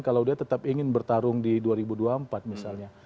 kalau dia tetap ingin bertarung di dua ribu dua puluh empat misalnya